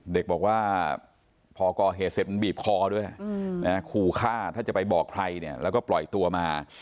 เด็กบอกว่าพอก่อเหตุเสร็จมันบีบคอด้วยขู่ฆ่าถ้าจะไปบอกใครเนี่ยแล้วก็ปล่อยตัวมา